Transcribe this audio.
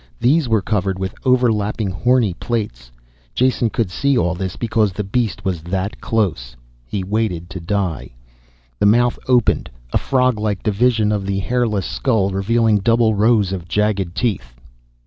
These were covered with overlapping horny plates. Jason could see all this because the beast was that close. He waited to die. The mouth opened, a froglike division of the hairless skull, revealing double rows of jagged teeth.